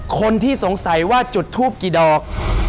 คนที่สงสัยว่าจุดทูปกี่ดอก